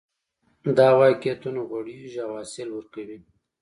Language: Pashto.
دا واقعیتونه غوړېږي او حاصل ورکوي